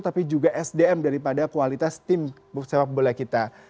tapi juga sdm daripada kualitas tim sepak bola kita